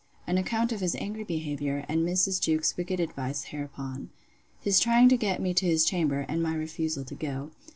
An account of his angry behaviour, and Mrs. Jewkes's wicked advice hereupon. His trying to get me to his chamber; and my refusal to go.